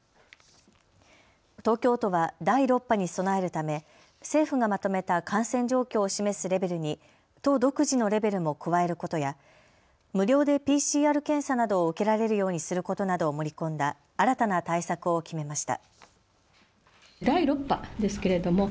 東京都は第６波に備えるため政府がまとめた感染状況を示すレベルに都独自のレベルも加えることや無料でＰＣＲ検査などを受けられるようにすることなどを盛り込んだ新たな対策を決めました。